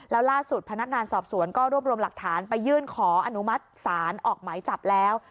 แล้วล่าสุดพนักงานสอบสวนก็รวบรวมหลักฐานไปยื่นขออนุมัติศาลออกหมายจับแล้ว